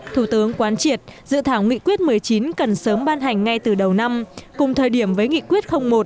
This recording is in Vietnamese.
thủ tướng quán triệt dự thảo nghị quyết một mươi chín cần sớm ban hành ngay từ đầu năm cùng thời điểm với nghị quyết một